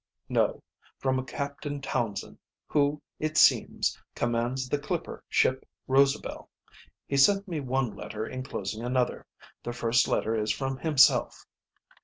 "No, from a Captain Townsend, who, it seems, commands the clipper ship Rosabel. He sent me one letter inclosing another. The first letter is from himself."